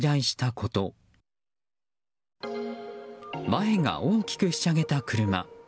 前が大きくひしゃげた車。